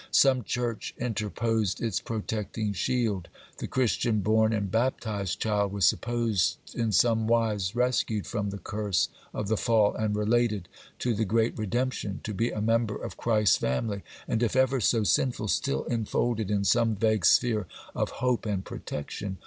Some church interposed its protecting shield; the Christian born and baptized child was supposed in some wise rescued from the curse of the fall, and related to the great redemption, to be a member of Christ's family, and, if ever so sinful, still infolded in some vague sphere of hope and protection.